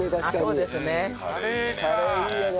カレーいいよね。